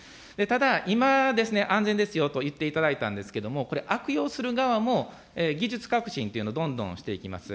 ただ、今ですね、安全ですよと言っていただいたんですけれども、これ、悪用する側も、技術革新というのをどんどんしていきます。